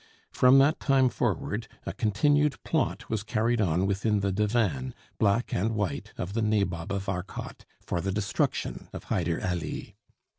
From that time forward, a continued plot was carried on within the divan, black and white, of the Nabob of Arcot, for the destruction of Hyder Ali.